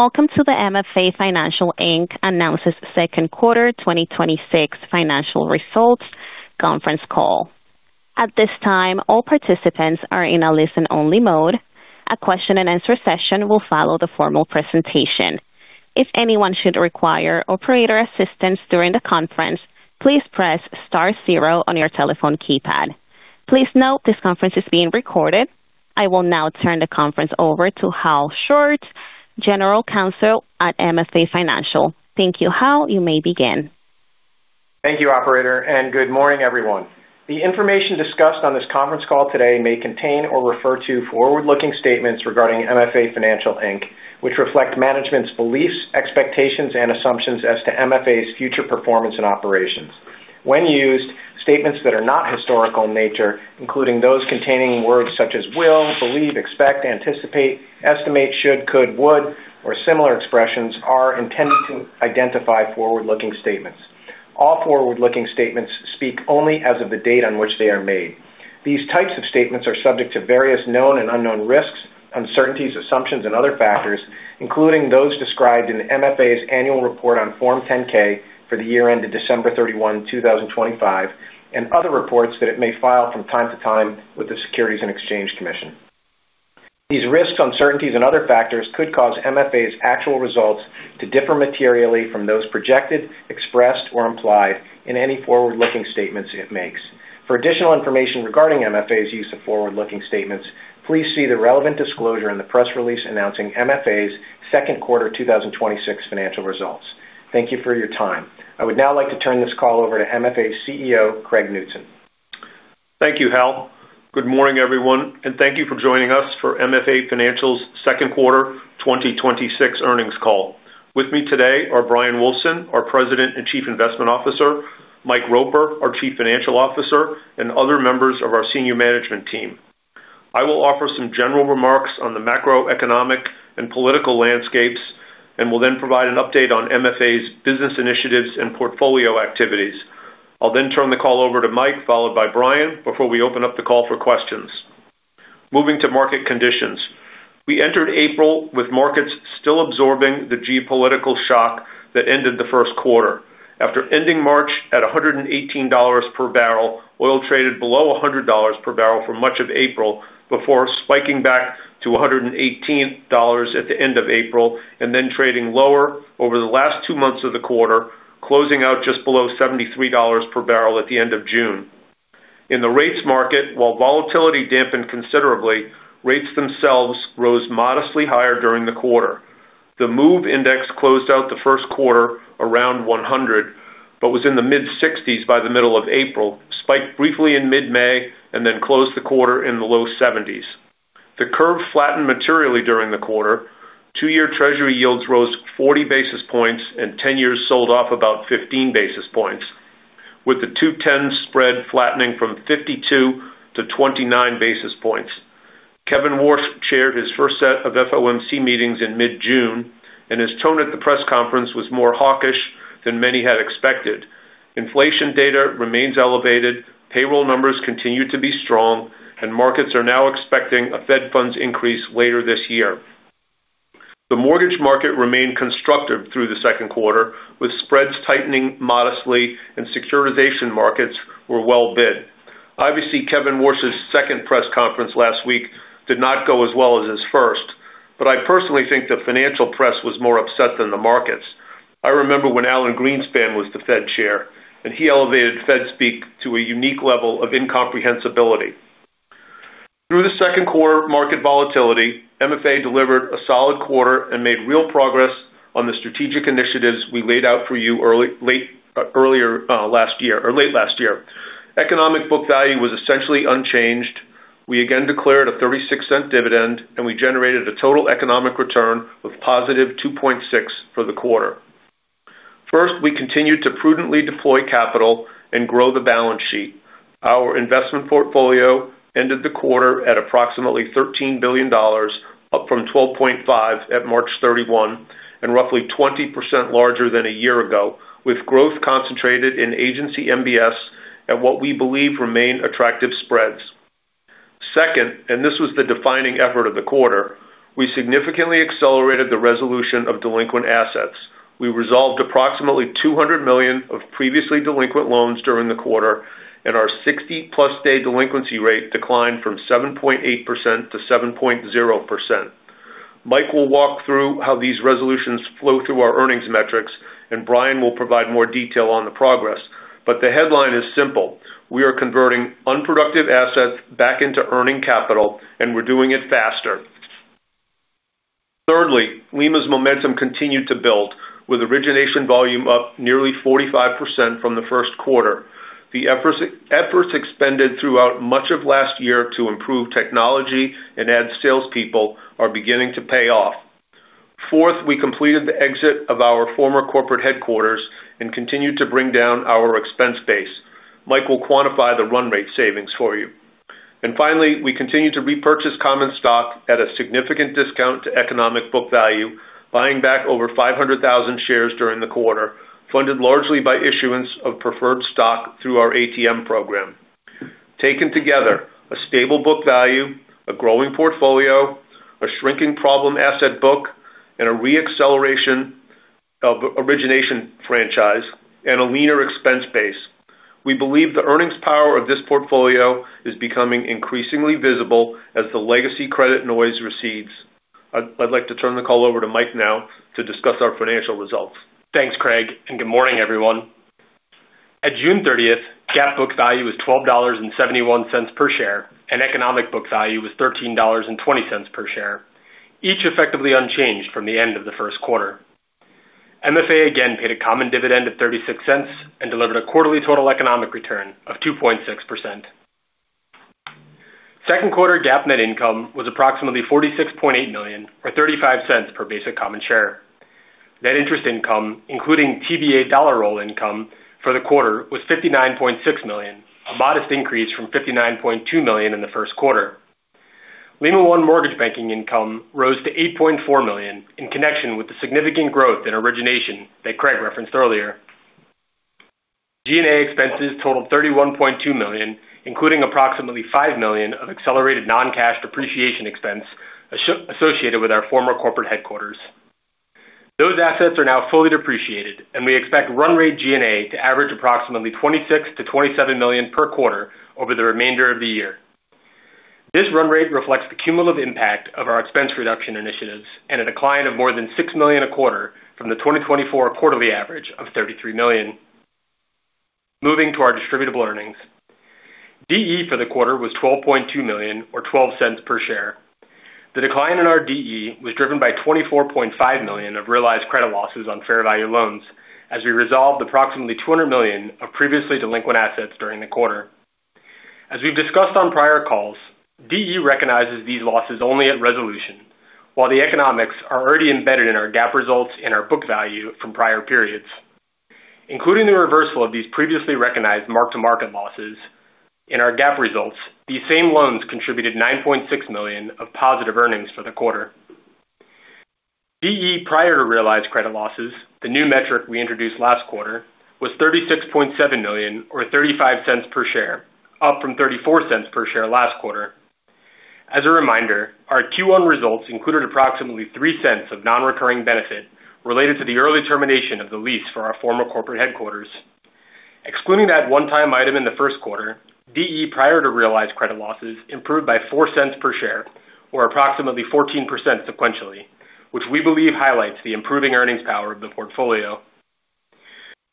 Welcome to the MFA Financial, Inc. announces second quarter 2026 financial results conference call. At this time, all participants are in a listen-only mode. A question and answer session will follow the formal presentation. If anyone should require operator assistance during the conference, please press star zero on your telephone keypad. Please note this conference is being recorded. I will now turn the conference over to Hal Schwartz, General Counsel at MFA Financial. Thank you. Hal, you may begin. Thank you, Operator. Good morning, everyone. The information discussed on this conference call today may contain or refer to forward-looking statements regarding MFA Financial, Inc., which reflect management's beliefs, expectations, and assumptions as to MFA's future performance and operations. When used, statements that are not historical in nature, including those containing words such as will, believe, expect, anticipate, estimate, should, could, would, or similar expressions, are intended to identify forward-looking statements. All forward-looking statements speak only as of the date on which they are made. These types of statements are subject to various known and unknown risks, uncertainties, assumptions, and other factors, including those described in MFA's annual report on Form 10-K for the year ended December 31, 2025, and other reports that it may file from time to time with the Securities and Exchange Commission. These risks, uncertainties, and other factors could cause MFA's actual results to differ materially from those projected, expressed, or implied in any forward-looking statements it makes. For additional information regarding MFA's use of forward-looking statements, please see the relevant disclosure in the press release announcing MFA's second quarter 2026 financial results. Thank you for your time. I would now like to turn this call over to MFA's CEO, Craig Knutson. Thank you, Hal Schwartz. Good morning, everyone. Thank you for joining us for MFA Financial's second quarter 2026 earnings call. With me today are Bryan Wulfsohn, our President and Chief Investment Officer, Michael Roper, our Chief Financial Officer, and other members of our senior management team. I will offer some general remarks on the macroeconomic and political landscapes. I will then provide an update on MFA's business initiatives and portfolio activities. I'll then turn the call over to Michael, followed by Bryan, before we open up the call for questions. Moving to market conditions. We entered April with markets still absorbing the geopolitical shock that ended the first quarter. After ending March at $118 per barrel, oil traded below $100 per barrel for much of April before spiking back to $118 at the end of April and then trading lower over the last two months of the quarter, closing out just below $73 per barrel at the end of June. In the rates market, while volatility dampened considerably, rates themselves rose modestly higher during the quarter. The MOVE Index closed out the first quarter around 100, but was in the mid-60s by the middle of April, spiked briefly in mid-May, and then closed the quarter in the low 70s. The curve flattened materially during the quarter. Two-year Treasury yields rose 40 basis points and 10 years sold off about 15 basis points, with the 2-10 spread flattening from 52 to 29 basis points. Kevin Warsh chaired his first set of FOMC meetings in mid-June. His tone at the press conference was more hawkish than many had expected. Inflation data remains elevated, payroll numbers continue to be strong, and markets are now expecting a Fed funds increase later this year. The mortgage market remained constructive through the second quarter, with spreads tightening modestly and securitization markets were well bid. Obviously, Kevin Warsh's second press conference last week did not go as well as his first. I personally think the financial press was more upset than the markets. I remember when Alan Greenspan was the Fed Chair, and he elevated Fed speak to a unique level of incomprehensibility. Through the second quarter market volatility, MFA delivered a solid quarter and made real progress on the strategic initiatives we laid out for you late last year. Economic book value was essentially unchanged. We again declared a $0.36 dividend. We generated a total economic return of +2.6% for the quarter. First, we continued to prudently deploy capital and grow the balance sheet. Our investment portfolio ended the quarter at approximately $13 billion, up from $12.5 billion at March 31. Roughly 20% larger than a year ago, with growth concentrated in Agency MBS at what we believe remain attractive spreads. Second, this was the defining effort of the quarter, we significantly accelerated the resolution of delinquent assets. We resolved approximately $200 million of previously delinquent loans during the quarter. Our 60+ day delinquency rate declined from 7.8% to 7.0%. Mike will walk through how these resolutions flow through our earnings metrics. Bryan will provide more detail on the progress. The headline is simple. We are converting unproductive assets back into earning capital. We're doing it faster. Thirdly, Lima's momentum continued to build with origination volume up nearly 45% from the first quarter. The efforts expended throughout much of last year to improve technology and add salespeople are beginning to pay off. Fourth, we completed the exit of our former corporate headquarters and continued to bring down our expense base. Mike will quantify the run rate savings for you. Finally, we continue to repurchase common stock at a significant discount to economic book value, buying back over 500,000 shares during the quarter, funded largely by issuance of preferred stock through our ATM program. Taken together, a stable book value, a growing portfolio, a shrinking problem asset book, and a re-acceleration of origination franchise, and a leaner expense base. We believe the earnings power of this portfolio is becoming increasingly visible as the legacy credit noise recedes. I'd like to turn the call over to Mike now to discuss our financial results. Thanks, Craig, and good morning, everyone. At June 30th, GAAP book value was $12.71 per share, and economic book value was $13.20 per share, each effectively unchanged from the end of the first quarter. MFA again paid a common dividend of $0.36 and delivered a quarterly total economic return of 2.6%. Second quarter GAAP net income was approximately $46.8 million, or $0.35 per basic common share. Net interest income, including TBA dollar roll income for the quarter was $59.6 million, a modest increase from $59.2 million in the first quarter. Lima One mortgage banking income rose to $8.4 million in connection with the significant growth in origination that Craig referenced earlier. G&A expenses totaled $31.2 million, including approximately $5 million of accelerated non-cash depreciation expense associated with our former corporate headquarters. Those assets are now fully depreciated. We expect run rate G&A to average approximately $26 million-$27 million per quarter over the remainder of the year. This run rate reflects the cumulative impact of our expense reduction initiatives and a decline of more than $6 million a quarter from the 2024 quarterly average of $33 million. Moving to our distributable earnings. DE for the quarter was $12.2 million, or $0.12 per share. The decline in our DE was driven by $24.5 million of realized credit losses on fair value loans, as we resolved approximately $200 million of previously delinquent assets during the quarter. As we've discussed on prior calls, DE recognizes these losses only at resolution, while the economics are already embedded in our GAAP results and our book value from prior periods. Including the reversal of these previously recognized mark-to-market losses in our GAAP results, these same loans contributed $9.6 million of positive earnings for the quarter. DE prior to realized credit losses, the new metric we introduced last quarter, was $36.7 million or $0.35 per share, up from $0.34 per share last quarter. As a reminder, our Q1 results included approximately $0.03 of non-recurring benefit related to the early termination of the lease for our former corporate headquarters. Excluding that one-time item in the first quarter, DE, prior to realized credit losses, improved by $0.04 per share or approximately 14% sequentially, which we believe highlights the improving earnings power of the portfolio.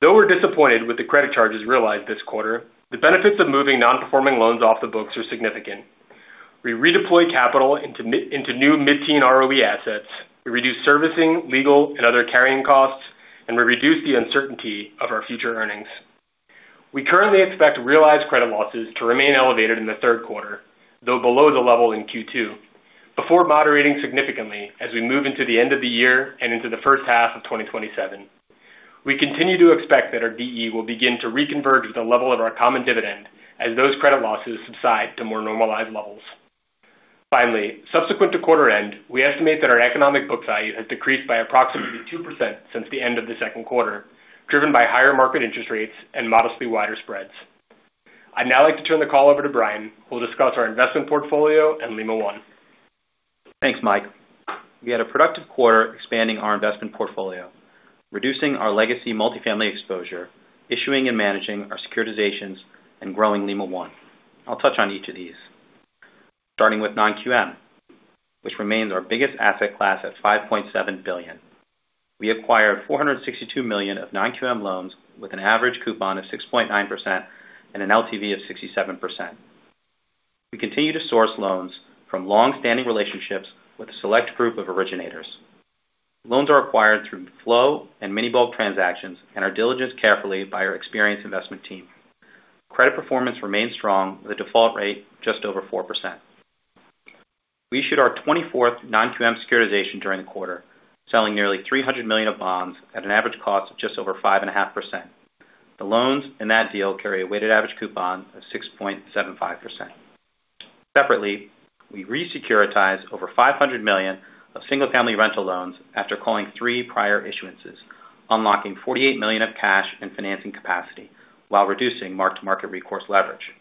We're disappointed with the credit charges realized this quarter, the benefits of moving non-performing loans off the books are significant. We redeploy capital into new mid-teen ROE assets, we reduce servicing, legal and other carrying costs, and we reduce the uncertainty of our future earnings. We currently expect realized credit losses to remain elevated in the third quarter, though below the level in Q2, before moderating significantly as we move into the end of the year and into the first half of 2027. We continue to expect that our DE will begin to reconverge with the level of our common dividend as those credit losses subside to more normalized levels. Finally, subsequent to quarter end, we estimate that our economic book value has decreased by approximately 2% since the end of the second quarter, driven by higher market interest rates and modestly wider spreads. I'd now like to turn the call over to Bryan, who will discuss our investment portfolio and Lima One. Thanks, Mike. We had a productive quarter expanding our investment portfolio, reducing our legacy multifamily exposure, issuing and managing our securitizations, and growing Lima One. I'll touch on each of these. Starting with Non-QM, which remains our biggest asset class at $5.7 billion. We acquired $462 million of Non-QM loans with an average coupon of 6.9% and an LTV of 67%. We continue to source loans from longstanding relationships with a select group of originators. Loans are acquired through flow and mini-bulk transactions and are diligence carefully by our experienced investment team. Credit performance remains strong with a default rate just over 4%. We issued our 24th Non-QM securitization during the quarter, selling nearly $300 million of bonds at an average cost of just over 5.5%. The loans in that deal carry a weighted average coupon of 6.75%. Separately, we re-securitized over $500 million of single-family rental loans after calling three prior issuances, unlocking $48 million of cash and financing capacity while reducing mark-to-market recourse leverage.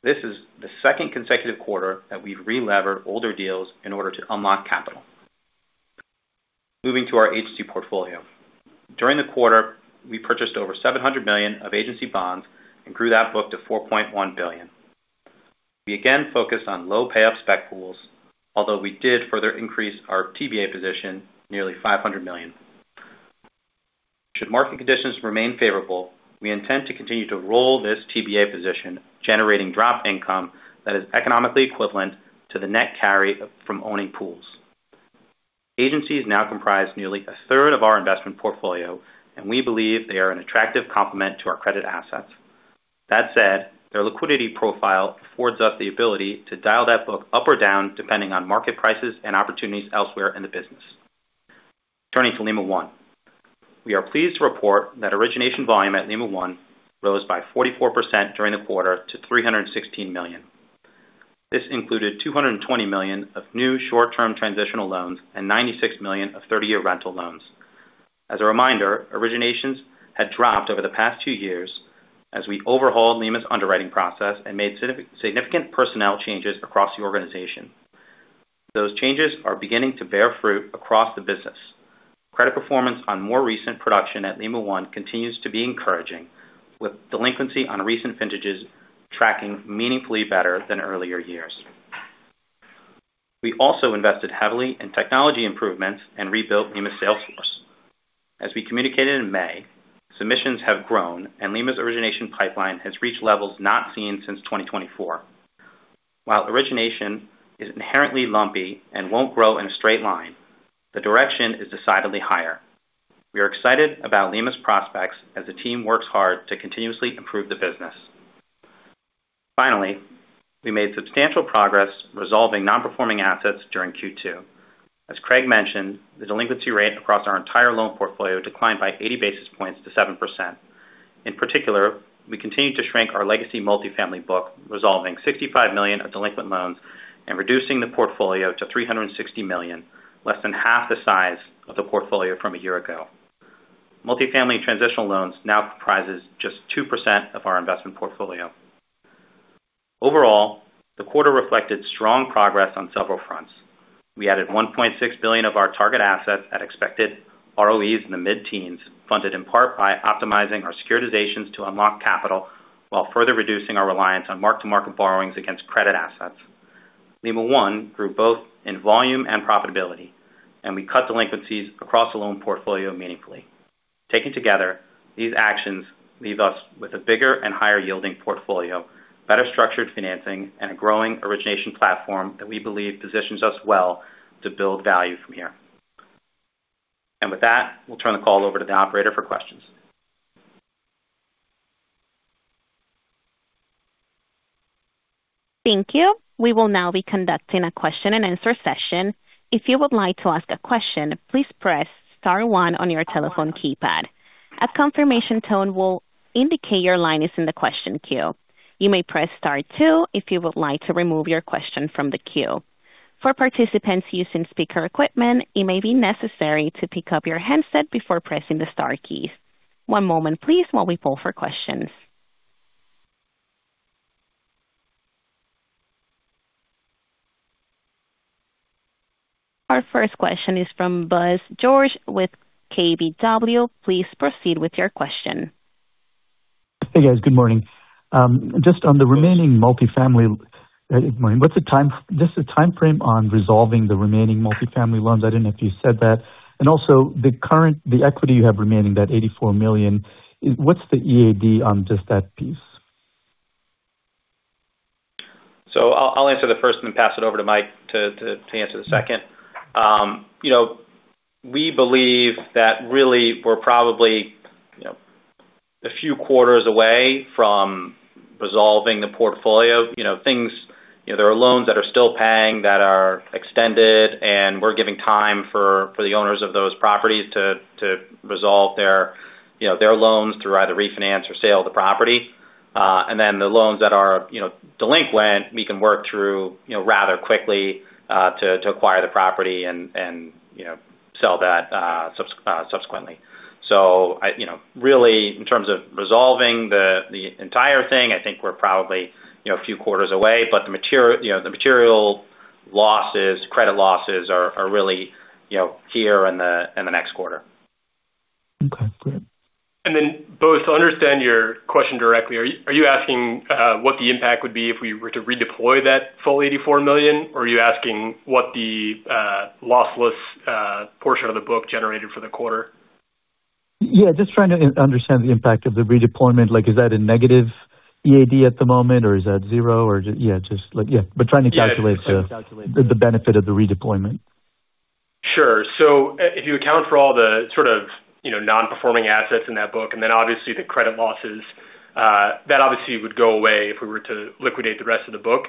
This is the second consecutive quarter that we've relevered older deals in order to unlock capital. Moving to our agency portfolio. During the quarter, we purchased over $700 million of agency bonds and grew that book to $4.1 billion. We again focus on low payoff spec pools, although we did further increase our TBA position nearly $500 million. Should market conditions remain favorable, we intend to continue to roll this TBA position, generating drop income that is economically equivalent to the net carry from owning pools. Agencies now comprise nearly a third of our investment portfolio, and we believe they are an attractive complement to our credit assets. That said, their liquidity profile affords us the ability to dial that book up or down, depending on market prices and opportunities elsewhere in the business. Turning to Lima One. We are pleased to report that origination volume at Lima One rose by 44% during the quarter to $316 million. This included $220 million of new short-term transitional loans and $96 million of 30-year rental loans. As a reminder, originations had dropped over the past two years as we overhauled Lima's underwriting process and made significant personnel changes across the organization. Those changes are beginning to bear fruit across the business. Credit performance on more recent production at Lima One continues to be encouraging, with delinquency on recent vintages tracking meaningfully better than earlier years. We also invested heavily in technology improvements and rebuilt Lima's sales force. As we communicated in May, submissions have grown, and Lima's origination pipeline has reached levels not seen since 2024. While origination is inherently lumpy and won't grow in a straight line, the direction is decidedly higher. We are excited about Lima's prospects as the team works hard to continuously improve the business. Finally, we made substantial progress resolving non-performing assets during Q2. As Craig mentioned, the delinquency rate across our entire loan portfolio declined by 80 basis points to 7%. In particular, we continue to shrink our legacy multifamily book, resolving $65 million of delinquent loans and reducing the portfolio to $360 million, less than half the size of the portfolio from a year ago. Multifamily transitional loans now comprises just 2% of our investment portfolio. Overall, the quarter reflected strong progress on several fronts. We added $1.6 billion of our target assets at expected ROEs in the mid-teens, funded in part by optimizing our securitizations to unlock capital while further reducing our reliance on mark-to-market borrowings against credit assets. Lima One grew both in volume and profitability, and we cut delinquencies across the loan portfolio meaningfully. Taken together, these actions leave us with a bigger and higher-yielding portfolio, better structured financing, and a growing origination platform that we believe positions us well to build value from here. With that, we'll turn the call over to the operator for questions. Thank you. We will now be conducting a question and answer session. If you would like to ask a question, please press star one on your telephone keypad. A confirmation tone will indicate your line is in the question queue. You may press star two if you would like to remove your question from the queue. For participants using speaker equipment, it may be necessary to pick up your handset before pressing the star keys. One moment please while we poll for questions. Our first question is from Bose George with KBW. Please proceed with your question. Hey, guys. Good morning. Just on the remaining multifamily, what's the timeframe on resolving the remaining multifamily loans? I don't know if you said that. Also, the equity you have remaining, that $84 million, what's the EAD on just that piece? I'll answer the first and pass it over to Mike to answer the second. We believe that really we're probably a few quarters away from resolving the portfolio. There are loans that are still paying that are extended, and we're giving time for the owners of those properties to resolve their loans through either refinance or sale of the property. The loans that are delinquent, we can work through rather quickly to acquire the property and sell that subsequently. Really, in terms of resolving the entire thing, I think we're probably a few quarters away, but the material losses, credit losses are really here in the next quarter. Okay, great. Bose, to understand your question directly, are you asking what the impact would be if we were to redeploy that full $84 million? Or are you asking what the lossless portion of the book generated for the quarter? Just trying to understand the impact of the redeployment. Is that a negative EAD at the moment, or is that zero? Trying to calculate- Yeah. Trying to calculate the benefit of the redeployment. Sure. If you account for all the non-performing assets in that book, and then obviously the credit losses, that obviously would go away if we were to liquidate the rest of the book.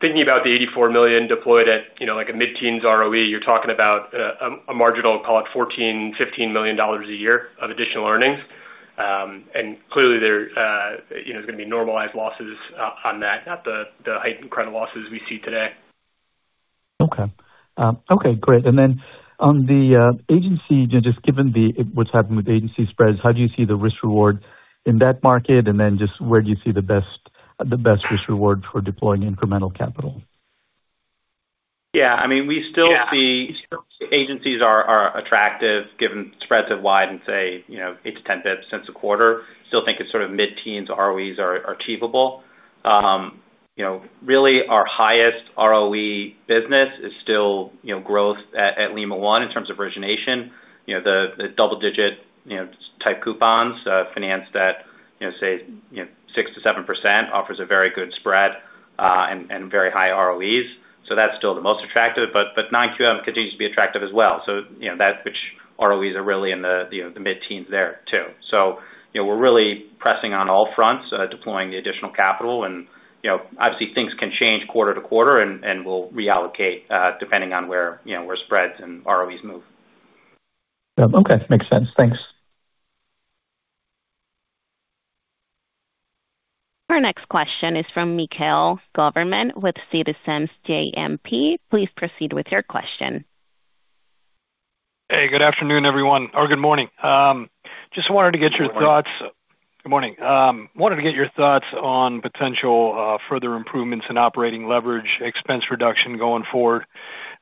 Thinking about the $84 million deployed at a mid-teens ROE, you're talking about a marginal, call it $14 million, $15 million a year of additional earnings. Clearly there's going to be normalized losses on that, not the heightened credit losses we see today. Okay. Great. On the agency, just given what's happened with agency spreads, how do you see the risk-reward in that market? Just where do you see the best risk-reward for deploying incremental capital? Yeah, we still see agencies are attractive given spreads have widened, say, 8 to 10 basis points since the quarter. Still think it's mid-teens ROEs are achievable. Really our highest ROE business is still growth at Lima One in terms of origination. The double-digit type coupons finance that, say, 6%-7% offers a very good spread and very high ROEs. That's still the most attractive, but Non-QM continues to be attractive as well. That which ROEs are really in the mid-teens there too. We're really pressing on all fronts, deploying the additional capital. Obviously things can change quarter-to-quarter and we'll reallocate depending on where spreads and ROEs move. Okay. Makes sense. Thanks. Our next question is from Mikhail Goberman with Citizens JMP. Please proceed with your question. Hey, good afternoon, everyone, or good morning. Good morning. Just wanted to get your thoughts on potential further improvements in operating leverage expense reduction going forward.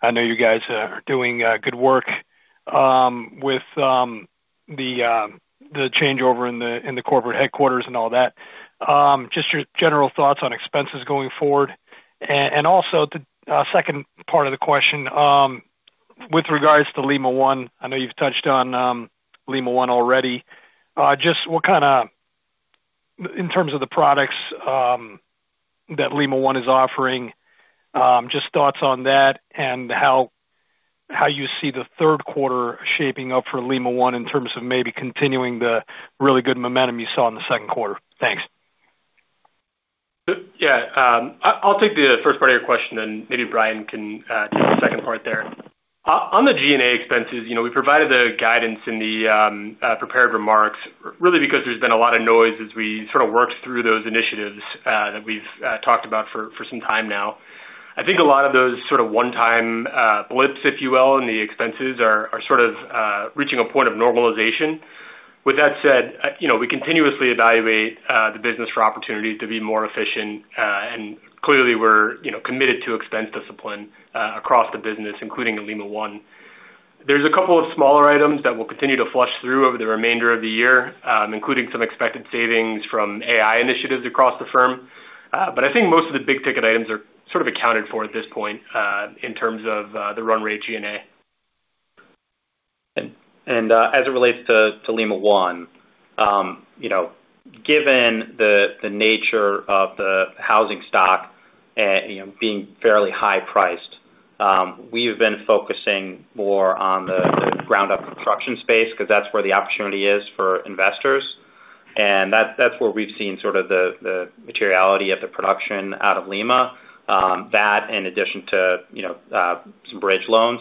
I know you guys are doing good work with the changeover in the corporate headquarters and all that. Just your general thoughts on expenses going forward. The second part of the question, with regards to Lima One, I know you've touched on Lima One already. Just in terms of the products that Lima One is offering, just thoughts on that and how you see the third quarter shaping up for Lima One in terms of maybe continuing the really good momentum you saw in the second quarter. Thanks. Yeah. I'll take the first part of your question, and maybe Bryan can take the second part there. On the G&A expenses, we provided the guidance in the prepared remarks, really because there's been a lot of noise as we sort of worked through those initiatives that we've talked about for some time now. I think a lot of those sort of one-time blips, if you will, and the expenses are sort of reaching a point of normalization. With that said, we continuously evaluate the business for opportunities to be more efficient. Clearly we're committed to expense discipline across the business, including in Lima One. There's a couple of smaller items that we'll continue to flush through over the remainder of the year, including some expected savings from AI initiatives across the firm. I think most of the big-ticket items are sort of accounted for at this point in terms of the run rate G&A. As it relates to Lima One. Given the nature of the housing stock being fairly high-priced, we have been focusing more on the ground-up construction space because that's where the opportunity is for investors, and that's where we've seen sort of the materiality of the production out of Lima. That in addition to some bridge loans.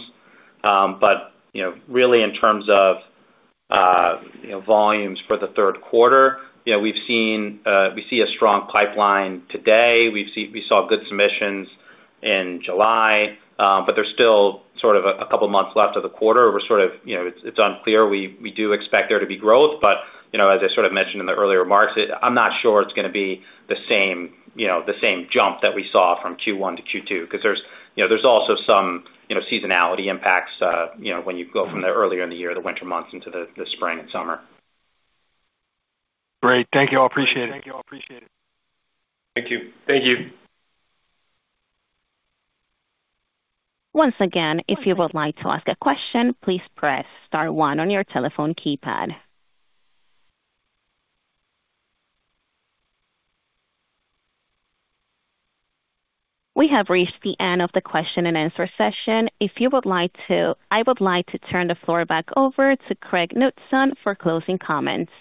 Really in terms of volumes for the third quarter, we see a strong pipeline today. We saw good submissions in July. There's still sort of a couple of months left of the quarter. It's unclear. We do expect there to be growth, as I sort of mentioned in the earlier remarks, I'm not sure it's going to be the same jump that we saw from Q1 to Q2 because there's also some seasonality impacts when you go from the earlier in the year, the winter months into the spring and summer. Great. Thank you. I appreciate it. Thank you. Thank you. Once again, if you would like to ask a question, please press star one on your telephone keypad. We have reached the end of the question and answer session. I would like to turn the floor back over to Craig Knutson for closing comments.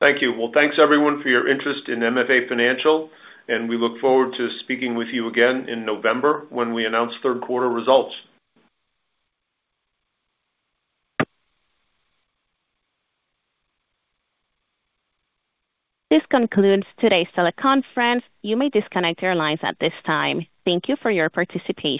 Well, thanks everyone for your interest in MFA Financial, and we look forward to speaking with you again in November when we announce third quarter results. This concludes today's teleconference. You may disconnect your lines at this time. Thank you for your participation.